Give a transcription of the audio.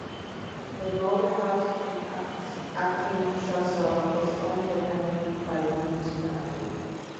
The Moat House in Acton Trussell is owned independently by the Lewis family.